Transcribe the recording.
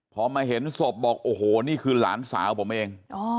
พอมาเห็นศพบอกโอ้โหนี่คือหลานสาวผมเอง